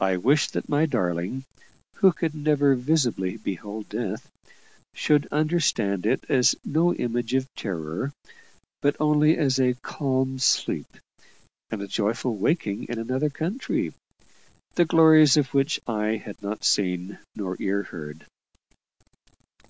I wished that my darling, who could never visibly behold death, should understand it as no image of terror, but only as a calm sleep and a joyful waking in another country, the glories of which eye had not seen nor ear heard.